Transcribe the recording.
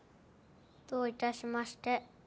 どういたしまして。